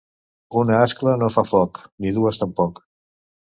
Una ascla no fa foc, ni dues tampoc.